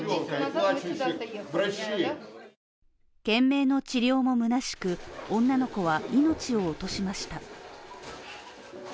懸命の治療もむなしく、女の子は命を落としました。